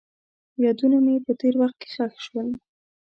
یادونه مې په تېر وخت کې ښخ شول.